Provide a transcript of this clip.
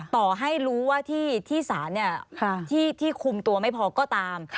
ต่อให้รู้ว่าที่ศาลที่คุมตัวไม่พอก็ตาม